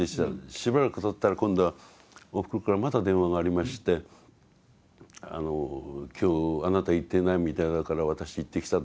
しばらくたったら今度はおふくろからまた電話がありまして今日あなた行っていないみたいだから私行ってきたと。